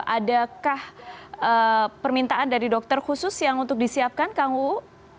adakah permintaan dari dokter khusus yang untuk disiapkan kang uu